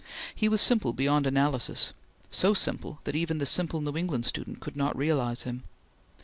He was simple beyond analysis; so simple that even the simple New England student could not realize him.